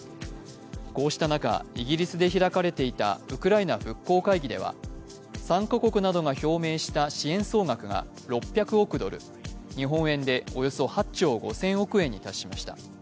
こうした中、イギリスで開かれていたウクライナ復興会議では参加国などが表明した支援総額が６００億ドル日本円でおよそ８兆５０００億円に達しました。